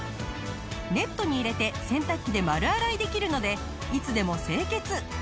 ネットに入れて洗濯機で丸洗いできるのでいつでも清潔。